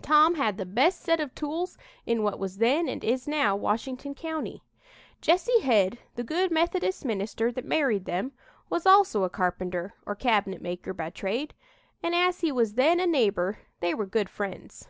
Tom had the best set of tools in what was then and is now Washington County. "Jesse Head, the good Methodist minister that married them, was also a carpenter or cabinet maker by trade, and as he was then a neighbor, they were good friends.